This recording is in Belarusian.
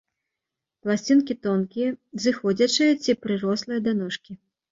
Пласцінкі тонкія, зыходзячыя ці прырослыя да ножкі.